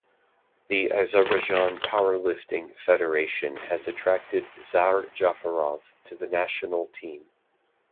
The Azerbaijan Powerlifting Federation has attracted Zaur Jafarov to the national team.